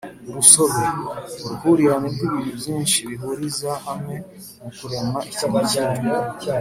urusobe: uruhurirane rw’ibintu byinshi bihuriza hamwe mu kurema ikintu kimwe